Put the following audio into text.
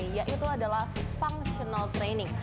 yaitu adalah functional training